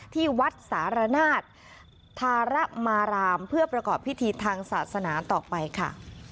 ที่วัดสารนาศธาระมารามเพื่อประกอบพิธีทางศาสนาต่อไปค่ะ